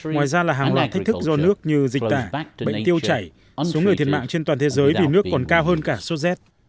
ngoài ra là hàng loạt thách thức do nước như dịch tả bệnh tiêu chảy số người thiệt mạng trên toàn thế giới vì nước còn cao hơn cả sot z